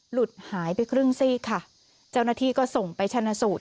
หลุดหายไปครึ่งซีกค่ะเจ้าหน้าที่ก็ส่งไปชนะสูตร